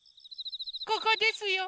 ここですよ。